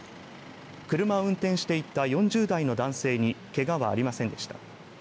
車を運転していた４０代の男性にけがはありませんでした。